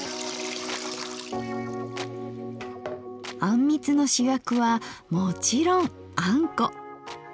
あんみつの主役はもちろんあんこ！